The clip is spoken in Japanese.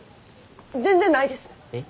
全然ないです。